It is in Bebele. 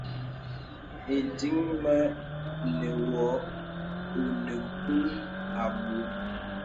Ìdiŋ mə̀ nə̀ wɔ̄ ònə kùl abùù.